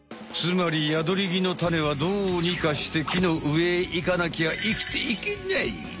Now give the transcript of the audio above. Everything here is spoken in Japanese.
つまりヤドリギのタネはどうにかして木の上へいかなきゃ生きていけない。